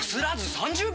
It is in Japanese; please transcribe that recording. ３０秒！